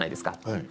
はい。